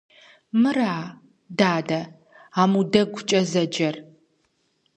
Мыра, дадэ, аму дэгукӀэ зэджэр?